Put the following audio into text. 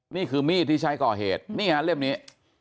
นี่คือมีดที่ใช้ก่อเหตุนี่ฮะเล่มนี้